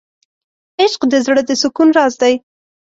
عشق د زړه د سکون راز دی.